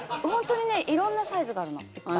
ホントにねいろんなサイズがあるの。